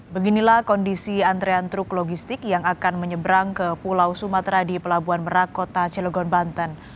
beginilah kondisi antrean truk logistik yang akan menyeberang ke pulau sumatera di pelabuhan merak kota cilegon banten